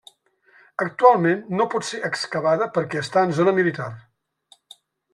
Actualment, no pot ser excavada perquè està en zona militar.